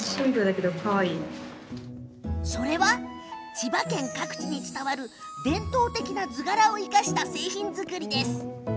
千葉県各地に伝わる伝統的な図柄を生かした製品作り。